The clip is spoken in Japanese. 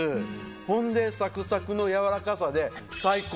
ほんでサクサクのやわらかさで。